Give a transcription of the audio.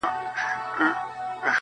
د یار دیدن آب حیات دی!.